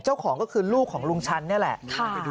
เจ้าของก็คือลูกของลุงชันนี่แหละ